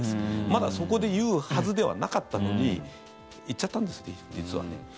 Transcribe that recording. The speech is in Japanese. まだそこで言うはずではなかったのに言っちゃったんです、実はね。